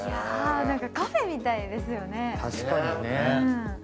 なんかカフェみたいですよね。